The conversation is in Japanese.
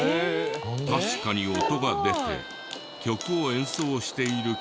確かに音が出て曲を演奏しているけど。